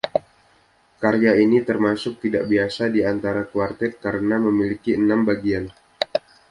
Karya ini termasuk tidak biasa di antara kuartet karena memiliki enam bagian.